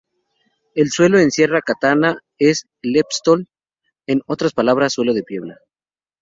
El suelo en Sierra Catana es leptosol; en otras palabras, suelo de piedra.